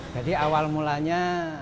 jadi awal mulanya